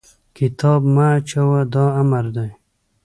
کتاب مه اچوه! دا امر دی.